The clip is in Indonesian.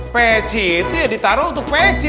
peci itu ya ditaruh untuk peci